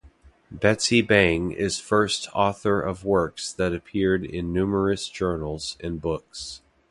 Betsy Bang is first author of works that appeared in numerous journals and books.